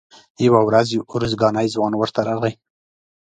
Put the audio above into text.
یوه ورځ یو ارزګانی ځوان ورته راغی.